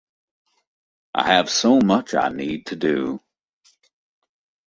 I have so much I need to do.